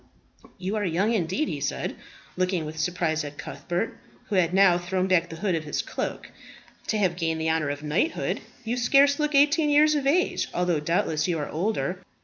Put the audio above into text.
You are young indeed," he said, looking with surprise at Cuthbert, who had now thrown back the hood of his cloak, "to have gained the honour of knighthood. You scarce look eighteen years of age, although, doubtless, you are older."